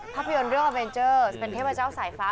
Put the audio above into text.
ภาพยนตร์เรื่องอเวนเจอร์เป็นเทพเจ้าสายฟ้า